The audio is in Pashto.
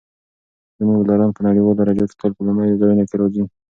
زموږ بالران په نړیوالو درجو کې تل په لومړیو ځایونو کې راځي.